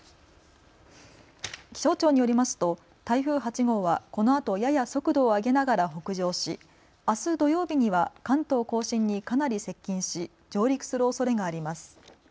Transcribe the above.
気象庁によりますと台風８号はこのあとやや速度を上げながら北上し、あす土曜日には関東甲信にかなり接近し上陸するおそれがあります。